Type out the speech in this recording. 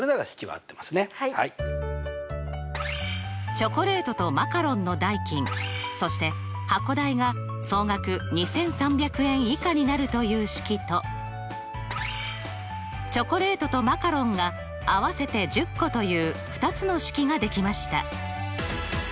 チョコレートとマカロンの代金そして箱代が総額２３００円以下になるという式とチョコレートとマカロンが合わせて１０個という２つの式ができました。